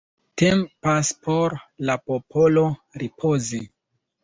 Tempas por la popolo ripozi.